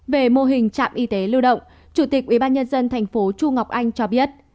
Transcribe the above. về mô hình trạm y tế lưu động chủ tịch ubnd tp chu ngọc anh cho biết